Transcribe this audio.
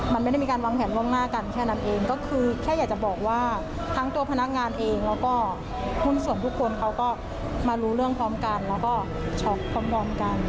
มันไม่ได้มีการวางแผนล่วงหน้ากันแค่นั้นเองก็คือแค่อยากจะบอกว่าทั้งตัวพนักงานเองแล้วก็หุ้นส่วนทุกคนเขาก็มารู้เรื่องพร้อมกันแล้วก็ช็อกพร้อมกัน